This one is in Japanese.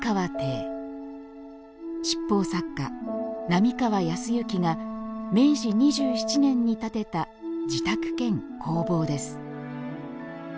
七宝作家並河靖之が明治２７年に建てた自宅兼工房です